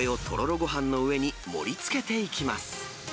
ごはんの上に盛りつけていきます。